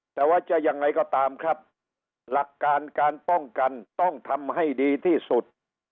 แต่ว่าจะยังไงก็ตามครับหลักการการป้องกันต้องทำให้ดีที่สุด